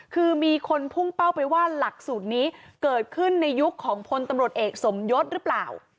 คือมีคนพุ่งเป้าไปว่าหลักสูตรนี้เกิดขึ้นในยุคของพลตำรวจเอกสมยศหรือเปล่า